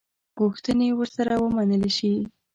غوښتني ورسره ومنلي شي.